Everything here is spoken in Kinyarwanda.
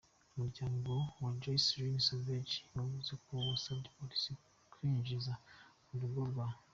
Umuryango wa Joycelyn Savage wavuze ko wasabye polisi kuwinjiza mu rugo rwa R.